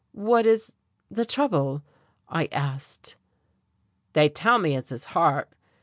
"What is the trouble?" I asked. "They tell me it's his heart.